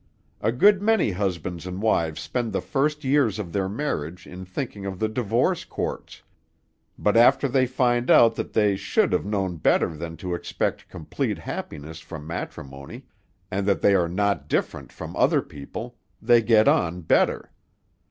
A good many husbands and wives spend the first years of their marriage in thinking of the divorce courts, but after they find out that they should have known better than to expect complete happiness from matrimony, and that they are not different from other people, they get on better.